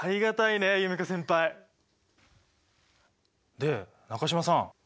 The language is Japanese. で中島さん